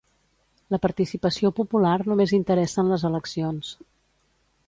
La participació popular només interessa en les eleccions.